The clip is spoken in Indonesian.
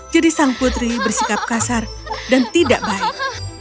jadi sang putri bersikap kasar dan tidak baik